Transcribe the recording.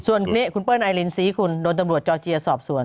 ส่วนนี่คุณเปิ้ลไอรินซีขุนโดนบรรดจอเจียสอบสวน